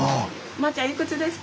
まーちゃんいくつですか？